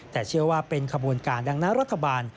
แต่เชื่อว่าเป็นขบวนการดังนั้นรัฐบาล